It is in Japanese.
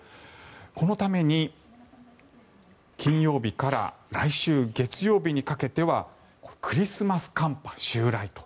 このために金曜日から来週月曜日にかけてはクリスマス寒波襲来と。